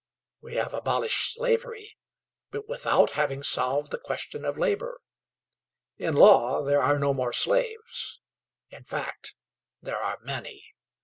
We have abolished slavery, but without having solved the question of labor. In law, there are no more slaves in fact, there are many.